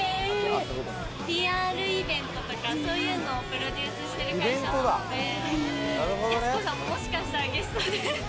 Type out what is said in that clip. ＰＲイベントとか、そういうのをプロデュースしている会社なので、やす子さん、もしかしたらゲストで。